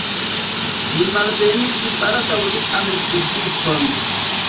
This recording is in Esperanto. Mi malbenis baldaŭ lian viziton.